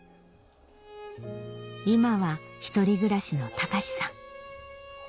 今は１人暮らしの喬さん